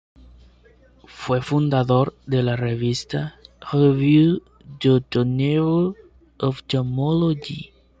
Fue fundador de la revista "Revue d'oto-neuro-ophtalmologie".